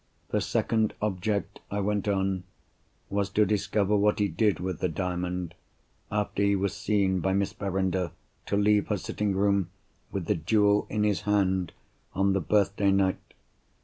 "The second object," I went on, "was to discover what he did with the Diamond, after he was seen by Miss Verinder to leave her sitting room with the jewel in his hand, on the birthday night.